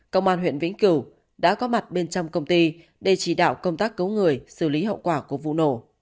công an huyện vĩnh cửu đã có mặt bên trong công ty để chỉ đạo công tác cứu người xử lý hậu quả của vụ nổ